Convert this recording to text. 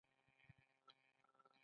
آیا دوی د خنزیر غوښه نه صادروي؟